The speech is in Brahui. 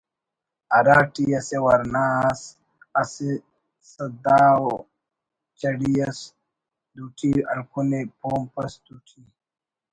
ہرا ٹی اسہ ورنا اس اسہ سدھا ءُ چڑی اس دوٹی ہلکنے پومپ اس دوٹی